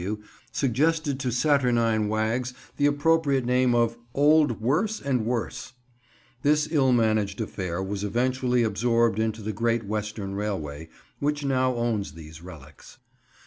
W. W." suggested to saturnine wags the appropriate name of "Old Worse and Worse." This ill managed affair was eventually absorbed into the Great Western Railway, which now owns these relics.